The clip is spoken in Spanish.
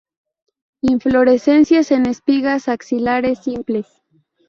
Inflorescencias en espigas axilares simples.